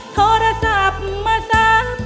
โทรศัพท์มาสร้างสร้างแรงที่ไม่มีใครอีก